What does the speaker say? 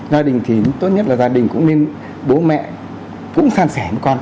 gia đình thì tốt nhất là gia đình cũng nên bố mẹ cũng san sẻ với con